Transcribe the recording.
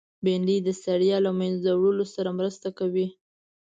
بېنډۍ د ستړیا له منځه وړلو سره مرسته کوي